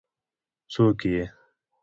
ـ څوک یې؟